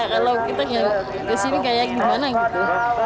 kalau kita kesini kayak gimana gitu